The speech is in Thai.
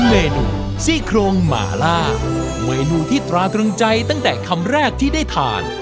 เมนูซี่โครงหมาล่าเมนูที่ตราตรึงใจตั้งแต่คำแรกที่ได้ทาน